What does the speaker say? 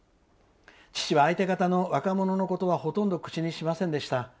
父は相手方の若者のことはほとんど口にしませんでした。